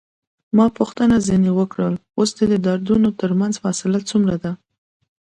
ما پوښتنه ځنې وکړل: اوس د دردونو ترمنځ فاصله څومره ده؟